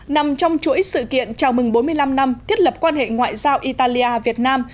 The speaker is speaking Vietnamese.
nằm trong chuỗi sự kiện chào mừng bốn mươi năm năm thiết lập quan hệ ngoại giao italia việt nam